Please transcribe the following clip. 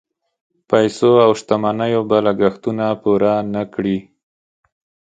پیسو او شتمنیو به لګښتونه پوره نه کړي.